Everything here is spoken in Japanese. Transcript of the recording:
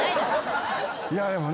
いやでもね